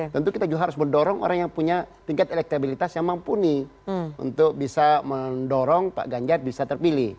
tentu kita juga harus mendorong orang yang punya tingkat elektabilitas yang mumpuni untuk bisa mendorong pak ganjar bisa terpilih